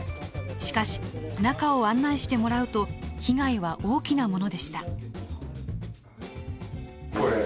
しかし中を案内してもらうと被害は大きなものでした。